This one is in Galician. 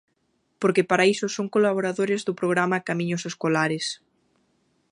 Porque para iso son colaboradores do programa Camiños Escolares.